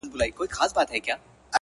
• چی په دوی کی څوک احمق وي هغه خر دی ,